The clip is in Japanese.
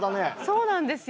そうなんですよ。